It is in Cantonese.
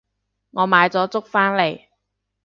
我買咗粥返嚟